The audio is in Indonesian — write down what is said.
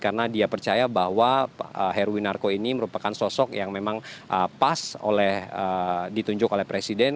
karena dia percaya bahwa heruwinarko ini merupakan sosok yang memang pas ditunjuk oleh presiden